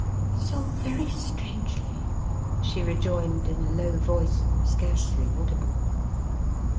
"So very strangely," she rejoined in a low voice: scarcely audible.